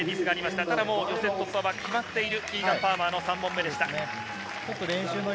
ただ予選突破は決まっているパルマーの３本目でした。